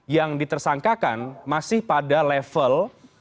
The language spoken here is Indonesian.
yang ditersangkakan masih pada level